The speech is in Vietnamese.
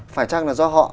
phải chắc là do họ